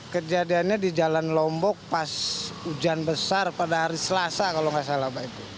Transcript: kejadiannya di jalan lombok pas hujan besar pada hari selasa kalau nggak salah pak eko